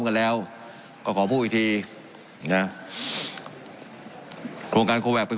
กันแล้วก็ขอพูดอีกทีนะโครงการโคแวคเป็น